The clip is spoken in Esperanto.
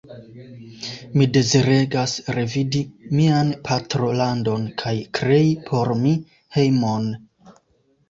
Mi deziregas revidi mian patrolandon kaj krei por mi hejmon.